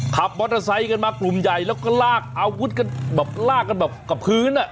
ขับมอเตอร์ไซค์กันมากลุ่มใหญ่แล้วก็ลากอาวุธกันแบบลากกันแบบกับพื้นอ่ะ